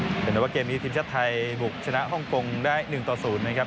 แต่ว่าเกมนี้ทีมชาติไทยบุกชนะฮ่องกงได้๑ต่อ๐นะครับ